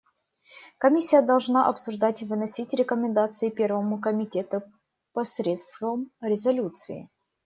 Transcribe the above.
Комиссия должна обсуждать и выносить рекомендации Первому комитету посредством резолюций.